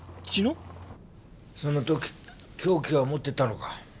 その時凶器は持ってたのか？